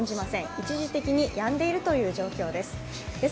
一時的にやんでいるという状況です。